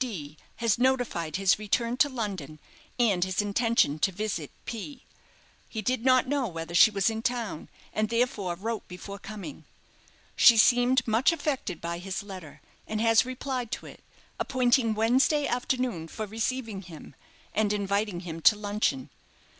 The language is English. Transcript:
D. has notified his return to London and his intention to visit P. He did not know whether she was in town, and, therefore, wrote before coming. She seemed much affected by his letter, and has replied to it, appointing Wednesday after noon for receiving him, and inviting him to luncheon.